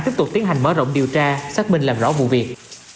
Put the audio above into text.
tiếp tục tiến hành mở rộng điều tra xác minh làm rõ vụ việc